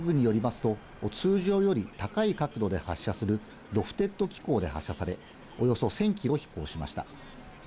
韓国軍によりますと通常より高い角度で発射するロフテッド軌道で発射され、およそ１０００キロ飛行しました。